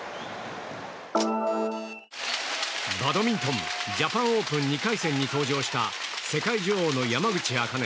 バドミントンジャパンオープン２回戦に登場した世界女王の山口茜。